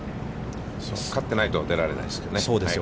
勝ってないと出られないですけどね。